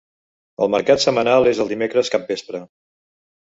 El mercat setmanal és el dimecres capvespre.